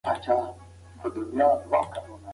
ټولنپوهنه سته.